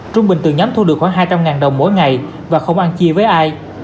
trung bình từ nhóm thu được khoảng hai trăm linh đồng mỗi ngày và không ăn chia với ai